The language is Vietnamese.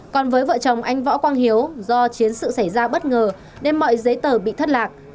còn với vợ chồng anh võ quang hiếu do chiến sự xảy ra bất ngờ nên mọi giấy tờ bị thất lạc